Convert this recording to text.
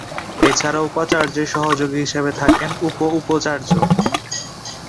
এছাড়া উপাচার্যের সহযোগী হিসেবে থাকেন উপ-উপাচার্য।